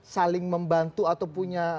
saling membantu atau punya